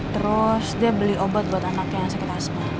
terus dia beli obat buat anaknya yang sakit asma